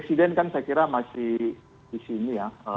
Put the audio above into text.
presiden kan saya kira masih di sini ya